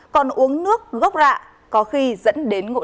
còn uống nước gốc rạ có khi dẫn đến ngộ độc